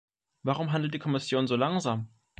Warum handelt die Kommission so langsam?